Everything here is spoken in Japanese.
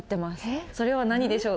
それは何でしょう？